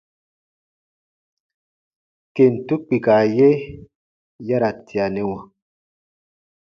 Kentu kpika ye ya ra tianɛwa.